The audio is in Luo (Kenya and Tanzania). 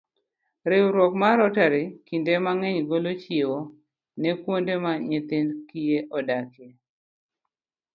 Riwruok mar Rotary kinde mang'eny golo chiwo ne kuonde ma nyithind kiye odakie.